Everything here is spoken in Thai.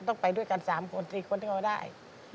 ต้องไปด้วยกัน๓๔คนก็ได้